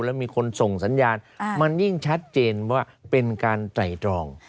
แล้วมีคนส่งสัญญาณมันยิ่งชัดเจนว่าเป็นการไตรตรอง